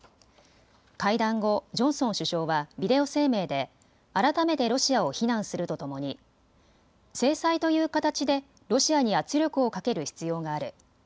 会談後、ジョンソン首相はビデオ声明で改めてロシアを非難するとともに制裁という形でロシアに圧力をかける必要がある。